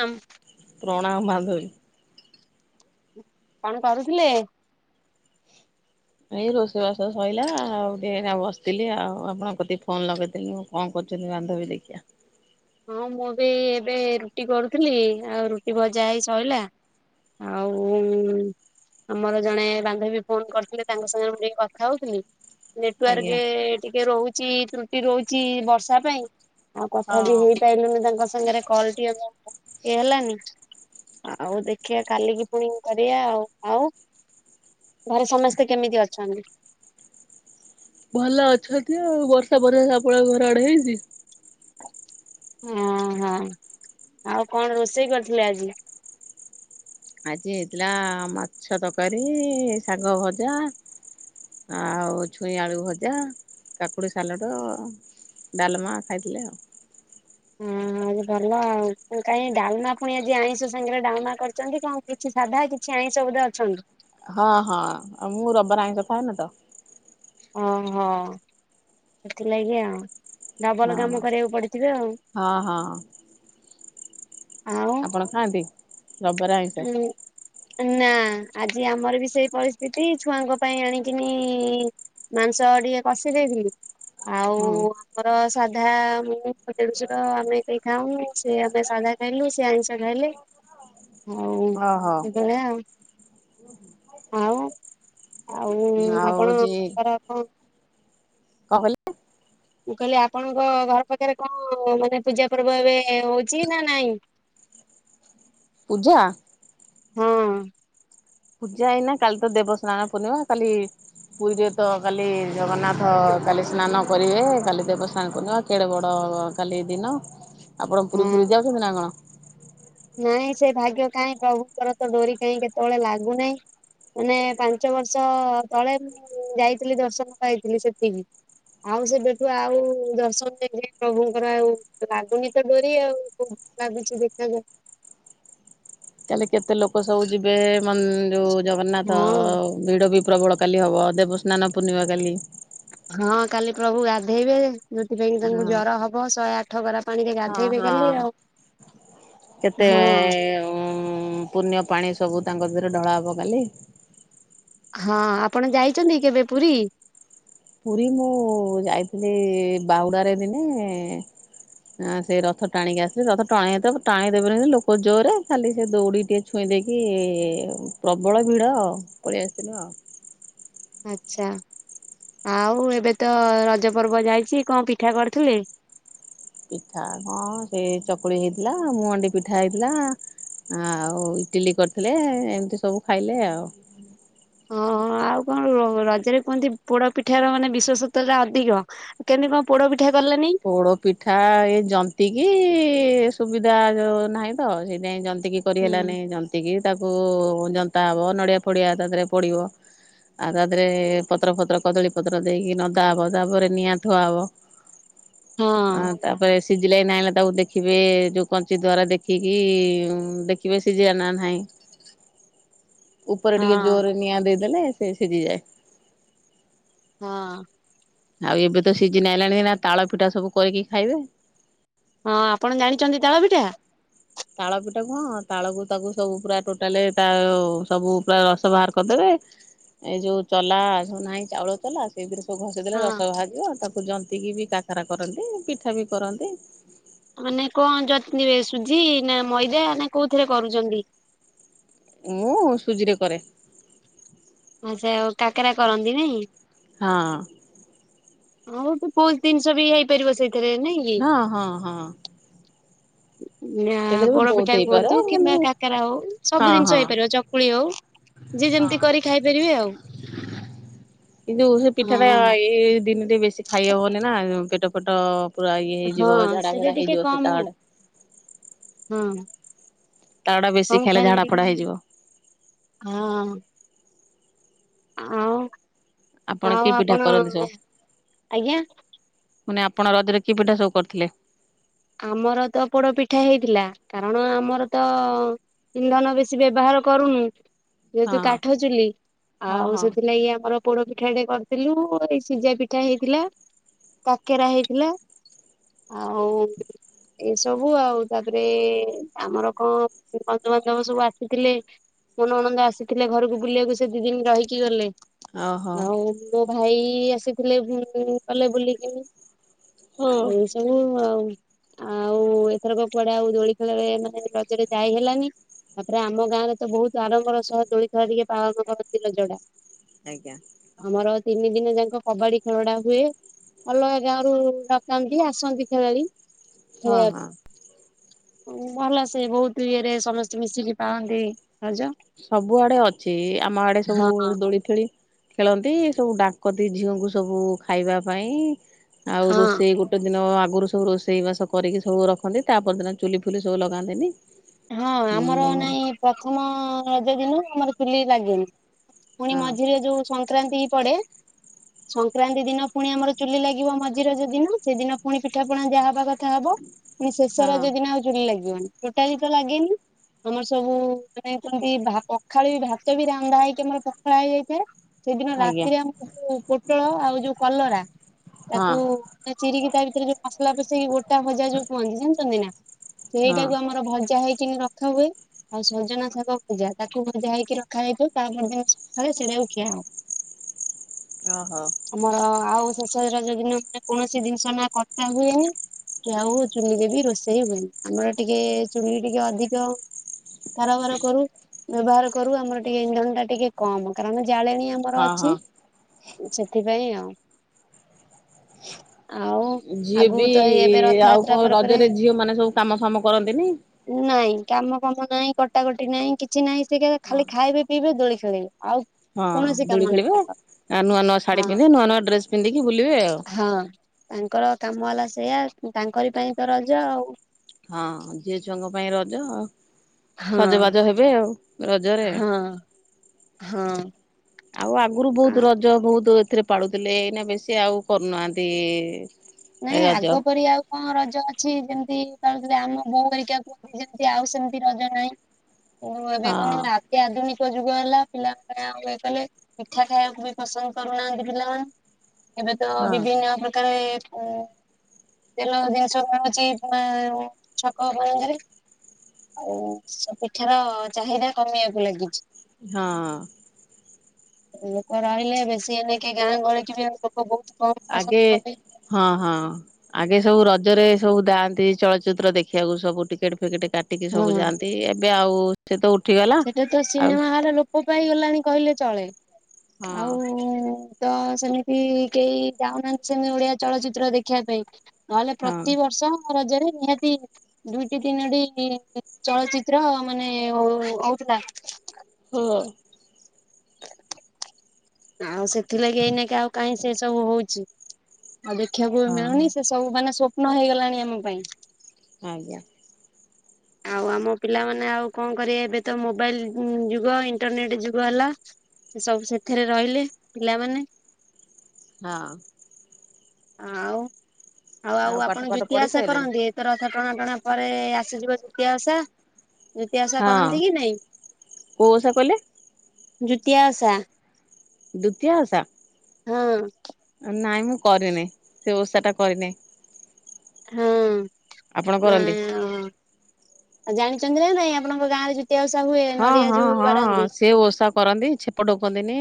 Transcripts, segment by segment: କଣ ପ୍ରଣାମ ବାନ୍ଧବୀ। କଣ କରୁଥିଲେ? ଏଇ ରୋଷେଇବାସ ସଇଲା ଆଉ ଟିକେ ବସିଥିଲି ଆଉ ଆପଣଙ୍କ କତି ଫୋନ ଲଗେଇଥିଲି ମୁଁ କଣ କର୍ ନ୍ତି ବାନ୍ଧବି ଦେଖିଆ। ହଁ ମୁଁ ବି ଏବେ ରୁଟି କରୁଥିଲି ଆଉ ରୁଟି ଭଜା ହେଇ ସଇଲା ଆଉ ଉ ଆମର ଜଣେ ବାନ୍ଧବୀ ଫୋନ କରିଥିଲେ ତାଙ୍କ ସାଙ୍ଗରେ ମୁଁ ଟିକେ କଥା ହଉଥିଲି ଆଜ୍ଞା। ନେଟୱାର୍କ ଟିକେ ରହୁଛି ତ୍ରୁଟି ରହୁଛି ବର୍ଷା ପାଇଁ ଆଉ କଥା ବି ହଁ। ହେଇ ଆଇଲୁନି ତାଙ୍କ ସାଙ୍ଗରେ କଲ୍ ଟିଏ ହେଲାନି ଆଉ ଦେଖିବା କାଲିକି ପୁଣି କରିବା ଆଉ ଆଉ ଘରେ ସମସ୍ତେ କେମିତି ଅଛନ୍ତି? ଭଲ ଅଛନ୍ତି ଆଉ ବର୍ଷା ପରେ ଆପଣଙ୍କ ଘର ଆଡେ ହେଇନି? ହଁ ହଁ ଆଉ କଣ ରୋଷେଇ କରିଥିଲେ ଆଜି? ଆଜି ହେଇଥିଲା ମାଛ ତରକାରୀ ଶାଗ ଭଜା ଆଉ ଛୁଇଁ ଆଳୁ ଭଜା କାକୁଡ଼ି ସାଲଟ ଡାଲମା ଖାଇଦଲେେ ଆଉ ହଁ ହଁ ଭଲ ଆଉ କାଇଁ ଡାଲମା ପୁଣି ଆଜି ଆଇଁଷ ସାଙ୍ଗରେ ଡାଲମା କରିଛନ୍ତି କଣ କିଛି ସାଧା କିଛି ଆ ସବୁଦା ଅଛନ୍ତି। ହଁ ହଁ ଆଉ ମୁଁ ରବବାରେ ର ଆଇଁସ ଖାଏନା ତ। ଓହୋ ସେଥିଲାଗି ଆଉ। ଡବଲ ହଁ କାମ କରିବାକୁ ପଡିଥିବେ ଆଉ। ହଁ ହଁ ଆଉ ଆପଣ ଖାଆନ୍ତି ରବାର ଆଇଁଷ? ଉଁ ନା ଆଜି ଆମର ବି ସେଇ ପରିସ୍ଥିତି ଛୁଆଙ୍କ ପାଇଁ ଆଣିକିନି ମାଂସ ଟିକେ କଷି ଦେଇେଥିଲି ଆଉ ହଁ ଆମର ସାଧା ମୁଁ ମୋ ଦେଡଶୁର ଆମେ କେହି ଖାଉନୁସେ ଆମେ ସାଧା ଖାଇଲୁ ସେ ଆଇଁଷ ଖାଇଲେ। ହଁ ହଉ ସେଭଳିଆ ଆଉ ଆଉ। ଆଉ ଆପଣ ଙ୍କର କଣ? କଣ କହିଲେ ମୁଁ କହିଲି ଆପଣଙ୍କ ଘର ପାଖରେ କଣ ମାନେ ପୂଜା ପର୍ବ ଏବେ ହଉଛି ନା ନାଇଁ ପୂଜା? ହଁ। ପୂଜା ଏଇନା କାଲି ତ ଦେବସ୍ନାନ ପୂର୍ଣ୍ଣିମା କାଲି ପୁରୀରେ ତ କାଲି ଜଗନ୍ନାଥ କାଲି ସ୍ନାନ କରିବେ କାଲି ଦେବସ୍ନାନ ପୁର୍ନିମା କେଡେ ବଡ ହଁ କାଲି ଦିନ ଆପଣ ପୁରୀ ପୁରୀ ହଁ। ଯାଉଛନ୍ତି ନା କଣ? ନାଇଁ ସେ ଭାଗ୍ୟ କାଇଁ ପ୍ରଭୁଙ୍କର ତ ଡୋରି କାହିଁ କେତେବେଳେ ଲାଗୁନାହିଁ। ମାନେ ପାଞ୍ଚ ବର୍ଷ ତଳେ ମୁଁ ଯାଇଥିଲି ଦର୍ଶନ ପାଇଥିଲି ସେତିକି ଆଉ ସେବେଠୁ ଆଉ ଦର୍ଶନ ଦେଇକି ପ୍ରଭୁଙ୍କର ଆଉ ଲାଗୁନି ତ ଡୋରି ଆଉ ଭାବିଛି ଦେଖି ତାହାଲେ କେତେ ଲୋକ ସବୁ ଯିବେ ମ ଯୋଉ ଜଗନ୍ନାଥ ହଁ ଭିଡ ବି ପ୍ରବଳ କାଲି ହେବ ଦେବସ୍ନାନ ପୂର୍ଣ୍ଣିମା କାଲି ହଁ କାଲି ପ୍ରଭୁ ଗାଧେଇବେ। ଯଉଥିପାଇଁ କି ହଁ ତାଙ୍କୁ ଜର ହବ ଶହେ ଆଠ ଗରା ପାଣିରେ ହଁ ଗାଧେଇବେ କାଲି ହଁ। ଆଉ କେତେ ହଁ ଉ ପୁଣ୍ୟ ପାଣି ସବୁ ତାଙ୍କ ଦେହରେ ଢଳା ହବ କାଲି। ହଁ ଆପଣ ଯାଇଛନ୍ତି କେବେ ପୁରୀ? ପୁରୀ ମୁଁ ଯାଇଥିଲି ବାହୁଡ଼ାରେ ଦିନେ ଆଁ ସେ ରଥ ଟାଣିକି ଆସିଲେ ରଥ ଟାଣେଇ ଟାଣିଦେବେନି ଲୋକ ଜୋରେ ଖାଲି ସେ ଦୌଡି ଟିକେ ଛୁଇଁ ଦେଇକି ପ୍ରବଳ ଭିଡ ଆ ପଳେଇ ଆସିିନୁ ଆ ଆଚ୍ଛା। ଆଉ ଏବେ ତ ରଜ ପର୍ବ ଯାଇଛି କଣ ପିଠା କରିଥିଲ? ପିଠା କଣ ସେ ଚକୁଳି ହେଇଥିଲା ମୁହାଣ୍ଡି ପିଠା ହେଇଥିଲା ଆଉ ଇଟିଲି କରିଥିଲେ ଏମିତି ସବୁ ଖାଇଲେ ଆଉ ଓହୋ ଆ ଆଉ କଣ ରଜରେ କୁହନ୍ତି ପୋଡ ପିଠା ର ମାନେ ବିଶ୍ୱେଷତ ଟା ଅଧିକ। କେମିତି କଣ ପୋଡପିଠା? ପୋଡ ପିଠା ଏଇ ଜନ୍ତି କିି ସୁବିଧା ଯଉ ନାହିଁ ତ ସେଇଥିାଇଁ ଜିନ୍ତିକି ହୁଁ କରିହେଲାନି। ଜନ୍ତିକି ତାକୁ ଜନ୍ତା ହେବ ନଡ଼ିଆ ଫଡ଼ିଆ ତା ଦେହରେ ପଡ଼ିବ। ଆଉ ତା ଦେହରେ ପତ୍ର ଫତ୍ର କଦଳୀ ପତ୍ର ଦେଇକି ନଦା ହବ ତାପରେ ନିଆଁ ଥୁଆ ହବ ହଁ ତାପରେ ସିଝିଲା ନାହିଁଲା ତାକୁ ଦେଖିବେ ଯେଉଁ କଞ୍ଚି ଦ୍ୱାରା ଦେଖିକି ଦେଖିବେ ସିଝିଲ ନା ନାହିଁ [inaudible] ଉପରେ ହଁ ଟିକେ ଜୋରେ ନିଆଁ ଦେଇଦେଲେ ସେ ସିଝିଯାଏ। ହଁ। ଆଉ ଏବେ ତ ସିଜିନ ଆଇଲାଣି ଏନା ତାଳ ପିଠା ସବୁ କରିକି ଖାଇବେ। ହଁ ଆପଣ ଜାଣିଛନ୍ତି ତାଳ ପିଠା? ତାଳ ପିଠା କୁହଁ ତାଳକୁ ତାକୁ ସବୁ ପୁରା ଟୋଟାଲି ତା ସବୁ ପୁରା ରସ ବାହାର କରିଦେବେ ଏ ଯୋଉ ଚଲା ଯୋଉ ନାହିଁ ଚାଉଳ ଚଲା ସେଇଥିରେ ଘଷି ଦେଲେ ହଁ ରସ ବାଜିବ ତାକୁ ଜନ୍ତିକି ବି କାକରା କରନ୍ତି ପିଠା ବି କରନ୍ତି। ମାନେ କଣ ଜନ୍ତିବେ ସୁଝି ନା ମଇଦା ନା କୋଉଥିରେ କରୁଛନ୍ତି? ମୁଁ ସୁଜିରେ କରେ। ସେ ଆଉ କାକରା କରନ୍ତି ନାଇଁ? ହଁ। ବହୁତ ବହୁତ ଜିନିଷ ବି ହେଇପାରିବ ସେଇଥ ହଁ ହଁ ହଁ। ନା ସେଥିରେ ବି ପୋଡ ବହୁତ ପିଠା ହେଇପାରେ କୁହନ୍ତୁ କିନ୍ତୁ କିମ୍ବା କାକରା ହଉ ହଁ ସବୁ ଜିନିଷ ହଁ ହେଇପାରିବ ଚକୁଳି ହଉ ଯିଏ ହଁ। ଯେମିତି କରି ଖାଇପାରିବେ ଆଉ। କିନ୍ତୁ ସେ ପିଠା ଟା ହଁ ଏଇ ଦିନରେ ବେଶୀ ଖାଇ ହବନି ନା ପେଟ ଫେଟ ପୁରା ଇଏ ହେଇଯିବ ହଁ ଝାଡ଼ା ସେଇଟା ଫାଡ଼ା ଟିକେ ହେଇଯିବ ସେ କମ ତାଳଟା ହଁ ତାଳଟା ବେଶୀ କମ ଖାଇଲେ ଝାଡ଼ା ଟିକେ ଫାଡ଼ା ହେଇଯିବ। ହଁ ଆଉ, ଆଉ କି ପିଠା ଆପଣ କରନ୍ତି ସବୁ ଆଜ୍ଞା ମାନେ ଆପଣ ରଜରେ କି ପିଠା ସବୁ କରିଥିଲେ? ଆମର ତ ପୋଡ ପିଠା ହେଇଥିଲା, କାରଣ ଆମର ତ ଇନ୍ଧନ ବେଶୀ ବ୍ୟବହାର କରୁନୁ ଯେହେତୁ ହଁ। କାଠ ଚୁଲି ହଁ ଆଉ ହଁ। ସେଥିଲାଗି ଆମର ପୋଡ ପିଠାଟେ କରିଥିଲୁ, ଏଇ ସିଜା ପିଠା ହେଇଥିଲା, କାକେରା ହେଇଥିଲା। ହଉ। ଏ ସବୁ ଆଉ, ତାପରେ ଆମର କଣ ବନ୍ଧୁବାନ୍ଧବ ସବୁ ଆସିଥିଲେ। ମୋ ନଣନ୍ଦ ଆସିଥିଲେ ଘରକୁ ବୁଲିବାକୁ ସେ ଦି ଦିନ ରହିକି ଗଲେ। ଓହୋ ଆଉ ମୋ ଭାଇ ଆସିଥିଲେ, ପୁଣି ଦି ଦିନ ଗଲେ ବୁଲିକି। ହୁଁ। ଆ ଏ ସବୁ ଆଉ। [unintelligible] ଆ ଏଥରକ କୁଆଡେ ଆଉ ଦୋଳି ଖେଳରେ ମାନେ ଲଜରେ ଯାଇ ହେଲାନି। ତାପରେ ଆମ ଗାଁରେ ତ ବହୁତ ଆଡ଼ମ୍ବର ସହ ଦୋଳିଖେଳ ଆଜ୍ଞା। ତିନି ଦିନ ଯାକ କ ହଁ ହଁ ଭଲ ସେ ବହୁତ ଇଏରେ ସମସ୍ତେ ମିଶିକି ପାଳନ୍ତି। ରଜ ସବୁ ଆଡେ ଅଛି, ଆମ ଆଡେ ସବୁ ହଁ ଦୋଳି ଫୋଳି ଖେଳନ୍ତି। ସବୁ ଡାକନ୍ତି ଝିଅଙ୍କୁ ସବୁ ଖାଇବା ପାଇଁ, ଆଉ ହଁ। ରୋଷେଇ ଗୋଟେ ଦିନ ଭୋରୁ ସବୁ ରୋଷେଇ ବାସ କରିକି ସବୁ ରଖନ୍ତି, ତା ପରଦିନ ଚୁଲିଫୁଲି ସବୁ ଲଗାନ୍ତିନି। ହଁ ହୁଁ ଆମର ନାଇଁ ପ୍ରଥମ ପୁଣି ହଁ ମଝିରେ ଯୋଉ ସଂ ସଂକ୍ରାନ୍ତି ଦିନ ପୁଣି ଆମର ଚୁଲି ଲାଗିବ ମଝିରଜ ଦିନ, ସେଦିନ ପୁଣି ପିଠା ପଣା ଦିଆହବା କଥା ହବ। ମାନେ ଶେଷ ହଁ। ରଜ ଦିନ ଆଉ ଚୁଲି ଲାଗିବନି ଟୋଟାଲି ତ ଲାଗେନି। ଆମର ସବୁ ମାନେ କେମିତି ପଖାଳି ବି ଭାତ ବି ରାନ୍ଧା ହେଇକି ଆମର ପଖାଳ ହେଇଯାଇଥାଏ। ସେଦିନ ଆଜ୍ଞା ରାତିରେ ଆମେ ଯୋଉ ପୋଟଳ ଆଉ ଯୋଉ କଲରା ହଁ ତାକୁ ଚିରିକି ତା ରେ ଯୋଉ ମସଲା ପଶେଇକି ଗୋଟା ଭଜା ଯଉ ହଁ ହେଇକି ରଖା ହୁଏ। ଆଉ ସଜନା ଶାଗ ପୂଜା ତାକୁ ଭଜା ହେଇକି ରଖାଯାଇଥିବ ତାପର ଦିନ ସକାଳେ ସେଇଟାକୁ ଖିଆ ହବ। [unintelligible] [unintelligible] ଆଉ ଶେଷରଜ ଦିନ ନା କୌଣସି ଜିନିଷ ନା କଟା ହୁଏନି ୟାକୁ କାରବାର କରୁ ବ୍ୟବହାର କରୁ ଜାଳେଣୀ ଆମର ହଁ ଅଛି, ହଁ। ସେଥିପାଇଁ ଆଉ। ଆଉ ଯିଏ ବି ଆଗକୁ ତ ଏଇ ଇ ଏବେ ଆଉ ରଥଯାତ୍ରା କଣ ପରେ ପରେ ରଜରେ ଝିଅ ମାନେ ସବୁ କାମ ଫାମ କରନ୍ତି ନାଇଁ କାମ କାମ ନାଇଁ, କଟାକଟି ନାଇଁ, କିଛି ନାଇଁ ସେ ଖାଲି ଖାଇବେ ପିଇବେ ଦୋଳି ଖେଳିବେ ଆଉ ହଁ, କୌଣସି କାମ ଦୋଳି ନାହିଁ ଖେଳିବେ ତାଙ୍କର ଆ ନୂଆ ନୂଆ ଶାଢ଼ୀ ହଁ ପିନ୍ଧିବେ, ନୂଆ ନୂଆ ଡ୍ରେସ୍ ପିନ୍ଧିକି ବୁଲିବେ ଆଉ। ହଁ ତାଙ୍କର କାମ ହେଲା ସେଇୟା, ତାଙ୍କରି ପାଇଁ ତ ରଜ ଆଉ। ହଁ ଝିଅ ଛୁଆଙ୍କ ପାଇଁ ରଜ ଆଉ ହଁ ସଜବାଜ ହେବେ ଆଉ ରଜରେ। ହଁ ହଁ। ଆଉ ଆଗରୁ ବହୁତ ଆଁ ରଜ ବହୁତ ଏଥିରେ ପାଳୁଥିଲେ, ଏଇନା ବେଶୀ ଆଉ କରୁନାହାନ୍ତି ଇ ନାଇଁ ଆଗ ପରି ଆଉ ହଁ ରଜ ଅଛି, ଯେମିତି ପାଳୁଥୁଲେ ଆମ ବଉ ହେରିକା କୁହଛି ଆଉ ସେମିତି ରଜ ନାହିଁ। ହୁଁ ଏବେ ହଁ କଣ କୁହନି ଅତିଆଧୁନିକ କି ଯୁଗ ହେଲା ପିଲାମାନେ ଆଉ ଇଏ କଲେ, ପିଠା ଖାଇବାକୁ ବି ପସନ୍ଦ କରୁନାହାଁନ୍ତି ପିଲାମାନେ ଏବେ ତ ହଁ ବିଭିନ୍ନ ପ୍ରକାରେ ହୁଁ ତେଲ ଜିନିଷ ମିଳୁଚି ଛକ ମାନଙ୍କରେ ଆଉ ସେ ପିଠାର ଚାହିଦା କମେଇବାକୁ ଲାଗିଚି। ହଁ। ଲୋକ ରହିଲେ ବେଶୀ ଏଇନେଇକି ଗାଁ ଗହଳିିକି ବି ଆଉ ଲୋକ ବହୁତ କମ୍ ପସନ୍ଦ ଆଗେ କଲେଇଁ। ହଁ ହଁ ଆଗେ ସବୁ ରଜରେ ସବୁ ଯାଆନ୍ତି ଚଳଚ୍ଚିତ୍ର ଦେଖିବାକୁ ସବୁ ଟିକେଟ ଫିକେଟ କାଟିକି ହଁ ସବୁ ଯାଆନ୍ତି। ଏବେ ଆଉ ସେ ତ ଉଠିଗଲା ସେଟା ତ ଆଉ ସିନେମା ହାରା ଲୋପ ପାଇ ଗଲାଣି କହିଲେ ଚଳେ। ହଁ। ଆଉ ତ ସେମିତି କେହି ଯାଉନାହାଁନ୍ତି ସେମିତି ଓଡିଆ ଚଳଚ୍ଚିତ୍ର ଦେଖିବା ପାଇଁ ନହେଲେ ହଁ। ପ୍ରତିିବର୍ଷ ରଜରେ ନିହାତି ଦୁଇଟି ତିନୋଟି ଚଳଚ୍ଚିତ୍ର ମାନେ ହଉଥିଲା। ହଁ। ଚନ ଓଃ ଆଉ ସେଥିଲାଗି ଏଇନାକେ ଆଉ କାଇଁ ସେସବୁ ହଉଚି ଆଉ ଦେଖିବାକୁ ବି ମିଳୁନି ସେ ସବୁ ମାନେ ସ୍ଵପ୍ନ ହେଇଗଲାଣି ଆମ ପାଇଁ। ଆଜ୍ଞା। ଆଉ ଆମ ପିଲାମାନେ ଆଉ କଣ କରିବେ ଏବେ ତ ମୋବାଇଲ ଯୁଗ ଇଣ୍ଟରନେଟ ଯୁଗ ହେଲା ସେସବୁ ସେଥିରେ ରହିଲେ ପିଲାମାନେ। ହଁ। ଆଉ ଆଉ ଆଉ ପାଠ ଆପଣ ପାଠ ଜୁତିଆ ପଢି ଓଷା ସାରିଲେଣି? କରନ୍ତି? ଏଥରକ ଅ ଟଣା ଟଣା ପରେ ଆସିଯିବ ଦିତିଆ ଓଷା। ଦ୍ୱିତୀୟା ଓଷା ହଁ କରନ୍ତି କି ନାଇଁ? କୋଉ ଓଷା କହିଲେ ଜୁତିଆ ଓଷା? ଦୂତିଆ ଓଷା? ହଁ। ନାଇଁ ମୁଁ କରିନେଇ, ସେ ଓଷାଟା କରିନେଇ। ହଁ। ଆପଣ ନା କରନ୍ତି? ଆଉ ଜାଣିଚନ୍ତି ନା ନାଇଁ ଆପଣଙ୍କ ଗାଁ ରେ ଯୋଉ ଜୁତିଆ ଓଷା ହୁଏ ହଁ ନଡିଆ ହଁ ହଁ ବାଡାନ୍ତି? ସେ ଓଷା କରନ୍ତି, ଛେପ ଢୋକନ୍ତିନି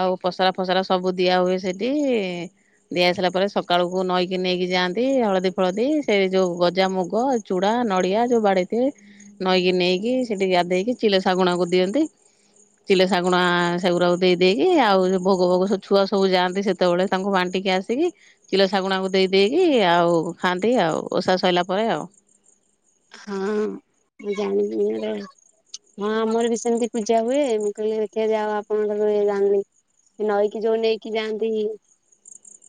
ଆଉ ପସରା ଫସରା ସବୁ ଦିଆ ହୁଏ ସେଠି ଦିଆ ହେଇସାଇଲା ପରେ ସକାଳକୁ ନଈକି ନେଇକି ଯାଆନ୍ତି, ହଳଦୀ ଫଳଦୀ ସେଇ ଯୋଉ ଗଜାମୁଗ, ଚୁଡା ନଡିଆ ଯୋଉ ବାଡେଇଥିବେ, ନଈକି ନେଇକି ସେଠି ଗାଧେଇକି ଚିଲ ଶାଗୁଣାକୁ ଦିଅନ୍ତି ଚିଲେ ଶାଗୁଣା ସେଗୁରାକୁ ଦେଇ ଦେଇକି ଆଉ ଭୋଗ ଫୋଗ ସବୁ ଛୁଆ ସବୁ ଯାଆନ୍ତି ସେତେବେଳେ ତାଙ୍କୁ ବାଣ୍ଟି ଟିକେ ଆସିକି ଚିଲ ଶାଗୁଣାକୁ ଦେଇ ଦେଇକି ଆଉ ଖାଆନ୍ତି ଆଉ, ଓଷା ସଇଲା ପରେ ଆଉ। ହଁ ମୁଁ ଜାଣିଚି ହେଲେ ହଁ ଆମର ବି ସେମିତି ପୂଜା ହୁଏ। ମୁଁ କହିଲି ଦେଖିଆ ଯା ହଉ ଆପଣଙ୍କ ଇଏ ଜାଣିଲି ନଈକି ଯୋଉ ନେଇକି ଯାଆନ୍ତି,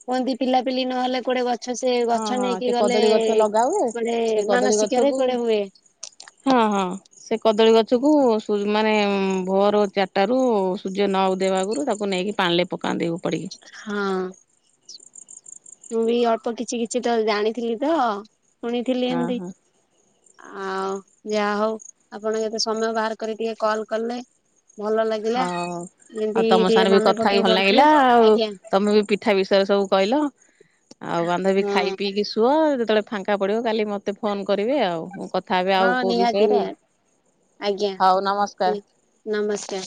କୁହନ୍ତି ପିଲାପିଲି ନହେଲେ କୁଆଡ଼େ ଗଛ ଗଛ ସେ ହଁ ଗଛ ହଁ ନେଇକି ସେ ଗଲେ କଦଳୀ ଗୋଟେ ମାନସିକ ଗଛ କୁ ହଁ ହଁ ସେ କଦଳୀ ଗଛକୁ ମାନେ ଭୋର ଚାରିଟାରୁ ସୂର୍ଯ୍ୟ ନ ଉଦୟ ହେବା ଆଗରୁ ତାକୁ ନେଇକି ପାଣିଲେ ପକାନ୍ତି। ଉପାଡ଼ିକି। ହଁ। ମୁଁ ବି ଅଳ୍ପ କିଛି କିଛି ତ ଜାଣିଥିଲି ତ ଶୁଣିଥିଲି ହଁ ଏମତି ହଁ ଆଉ ଯାହା ହଉ ଆପଣ ଯେତେ ସମୟ ବାହାର କରି ଟିକେ କଲ୍ କଲେ ଭଲ ଲାଗିଲା ହଉ। ଯେମିତି ଆଉ ତମ ଟିକେ ସାଙ୍ଗରେ ବି ମନେ କଥା ହେଇ ପକେଇ ଭଲ ନାଗିଲା କରୁଥିବେ ଆଉ-ଉ। ଆଜ୍ଞା ତମେ ବି ପିଠା ବିଷୟରେ ସବୁ କହିଲ। ଆଉ ବାନ୍ଧବି ହଁ ଖାଇ ପିଇକି ଶୁଅ। ଯେତେବେଳେ ଫାଙ୍କା ପଡିବ କାଲି ମତେ ଫୋନ୍ କରିବେ ଆଉ। କଥା ହେବେ ଆଉ ହଁ କଉ ନିହାତି ବିଷୟରେ? ନିହାତି ଆଜ୍ଞା ହଉ ନମସ୍କାର। ନମସ୍କାର।